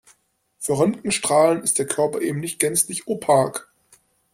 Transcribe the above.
Für Röntgenstrahlen ist der Körper eben nicht gänzlich opak.